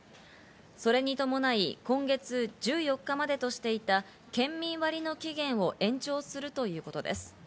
それに伴い、今月１４日までとしていた県民割の期限を延長するということです。